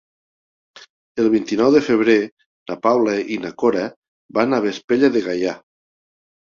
El vint-i-nou de febrer na Paula i na Cora van a Vespella de Gaià.